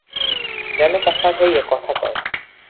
যেন তাহার হইয়া কথা কয়।